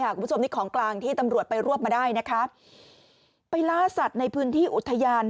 คุณผู้ชมนี่ของกลางที่ตำรวจไปรวบมาได้นะคะไปล่าสัตว์ในพื้นที่อุทยาน